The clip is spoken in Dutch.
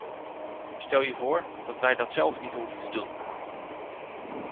Stel je voor dat wij dat zelf niet hoeven te doen.